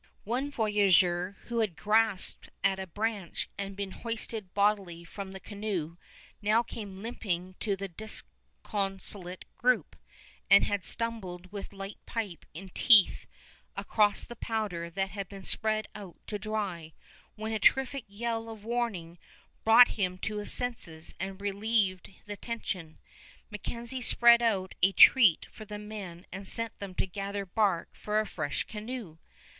One voyageur, who had grasped at a branch and been hoisted bodily from the canoe, now came limping to the disconsolate group, and had stumbled with lighted pipe in teeth across the powder that had been spread out to dry, when a terrific yell of warning brought him to his senses, and relieved the tension. MacKenzie spread out a treat for the men and sent them to gather bark for a fresh canoe.